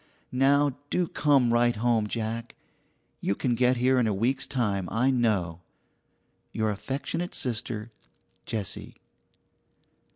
Now do come right home, Jack. You can get here in a week's time, I know. Your affectionate sister, JESSIE.